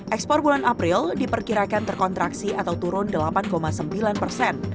ekspor bulan april diperkirakan terkontraksi atau turun delapan sembilan persen